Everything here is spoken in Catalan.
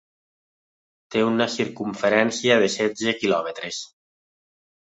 Té una circumferència de setze quilòmetres.